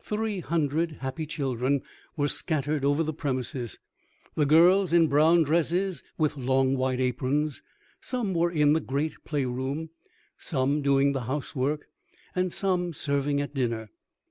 Three hundred happy children were scattered over the premises, the girls in brown dresses with long white aprons: some were in the great play room, some doing the housework, and some serving at dinner.